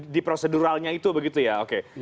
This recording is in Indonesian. di proseduralnya itu begitu ya oke